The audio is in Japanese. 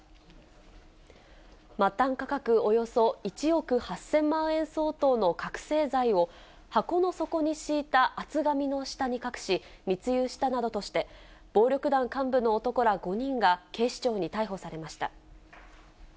末端価格およそ１億８０００万円相当の覚醒剤を箱の底に敷いた厚紙の下に隠し、密輸したなどとして、暴力団幹部の男ら５人が、警視庁に逮捕されました。